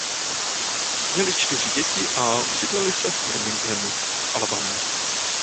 Měli čtyři děti a usídlili se v Birminghamu v Alabamě.